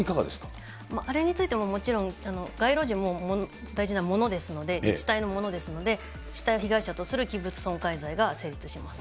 あれについてももちろん、街路樹も大事なものですので、自治体のものですので、自治体を被害者とする器物損壊罪が成立します。